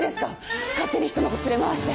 勝手に人の子連れ回して。